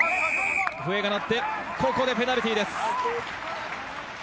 笛が鳴ってここでペナルティーです。